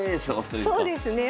そうですね。